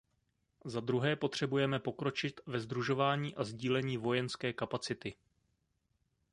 Za druhé potřebujeme pokročit ve sdružování a sdílení vojenské kapacity.